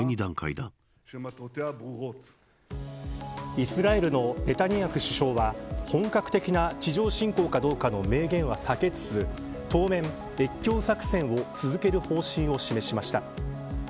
イスラエルのネタニヤフ首相は本格的な地上侵攻かどうかの明言は避けつつ当面、越境作戦を続ける方針を示しました。